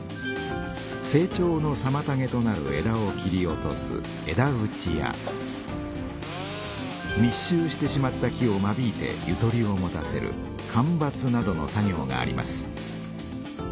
成長のさまたげとなる枝を切り落とす枝打ちやみっ集してしまった木を間引いてゆとりを持たせる間伐などの作業があります。